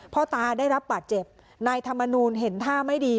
พ่อตาได้รับบาดเจ็บนายธรรมนูลเห็นท่าไม่ดี